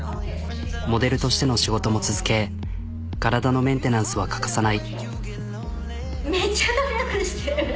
モデルとしての仕事も続け体のメンテナンスは欠かさない。